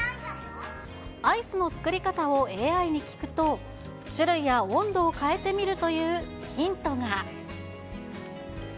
アイスの作り方をＡＩに聞くと、種類や温度を変えてみるというヒントが。